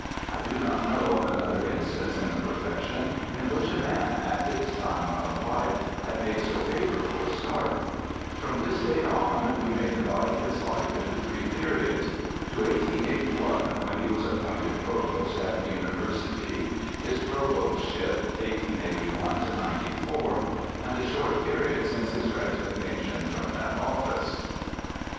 I do not know of another instance in the profession in which a man at his time of life had made so favourable a start. From this date on we may divide his life into three periods — to 1881, when he was appointed Provost of the University, his Provostship, 1881 94, and the short period since his resignation from that office.